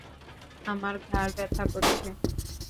আমার ঘাড় ব্যথা করছে।